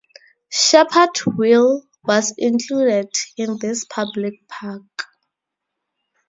Shepherd Wheel was included in this public park.